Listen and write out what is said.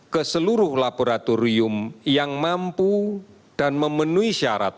ke seluruh laboratorium yang mampu dan memenuhi kualitas kesehatan